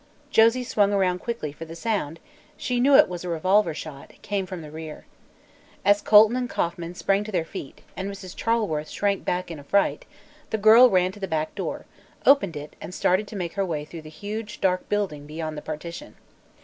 Josie swung around quickly, for the sound she knew it was a revolver shot came from the rear. As Colton and Kauffman sprang to their feet and Mrs. Charleworth shrank back in a fright, the girl ran to the back door, opened it and started to make her way through the huge, dark building beyond the partition.